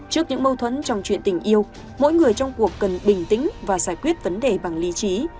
trước những mâu thuẫn trong chuyện tình yêu mỗi người trong cuộc cần bình tĩnh và giải quyết vấn đề bằng lý trí